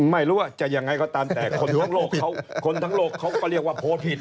ไม่รู้ว่าจะอย่างไรก็ตามแต่คนทั้งโลกเขาก็เรียกว่าโพลผิด